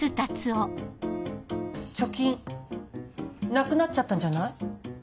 貯金なくなっちゃったんじゃない？